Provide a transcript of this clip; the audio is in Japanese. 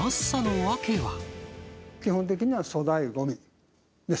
基本的には粗大ごみです。